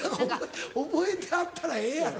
覚えてはったらええやろ？